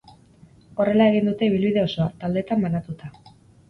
Horrela egin dute ibilbide osoa, taldetan banatuta.